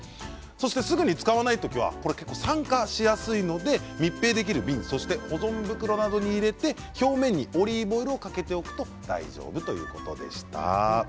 そして、すぐに使わない時は酸化しやすいので密閉できる瓶そして保存袋などに入れて表面にオリーブオイルをかけておくと大丈夫ということでした。